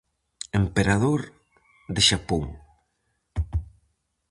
Emperador de Xapón.